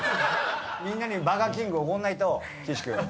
みんなにバーガーキングおごんないと岸君。